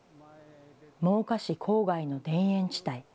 真岡市郊外の田園地帯。